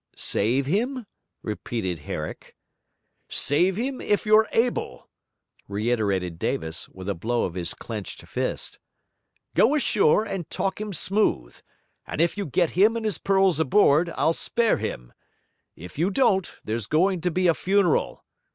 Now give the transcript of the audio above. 'Save him?' repeated Herrick. 'Save him, if you're able!' reiterated Davis, with a blow of his clenched fist. 'Go ashore, and talk him smooth; and if you get him and his pearls aboard, I'll spare him. If you don't, there's going to be a funeral.